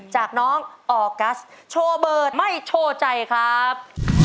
จากน้องออกัสโชว์เบิร์ตไม่โชว์ใจครับ